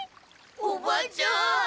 おばちゃん。